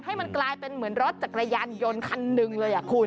ให้มันกลายเป็นเหมือนรถจักรยานยนต์คันหนึ่งเลยคุณ